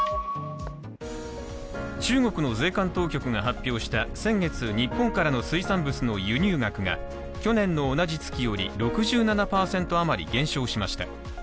中国の税関当局が発表した先月日本からの水産物輸入額が去年の同じ月より６７％余り減少しました。